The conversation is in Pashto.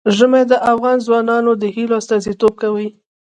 ژمی د افغان ځوانانو د هیلو استازیتوب کوي.